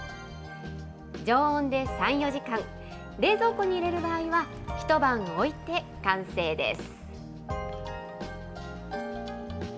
常温で３、４時間、冷蔵庫に入れる場合は、一晩置いて完成です。